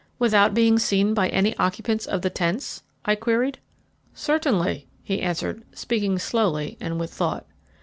"Without being seen by any occupants of the tents?" I queried. "Certainly," he answered, speaking slowly and with thought.